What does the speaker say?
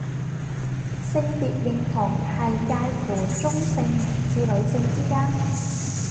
性別認同係界乎中性至女性之間